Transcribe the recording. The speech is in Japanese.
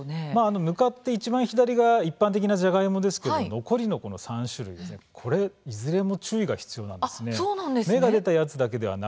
向かっていちばん左側が一般的なジャガイモですが残りの３つ、それは注意が必要なんです。